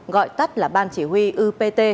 gọi tắt là ban chỉ huy upt